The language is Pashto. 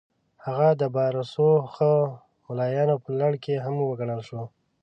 هغه د با رسوخه ملایانو په لړ کې هم وګڼل شو.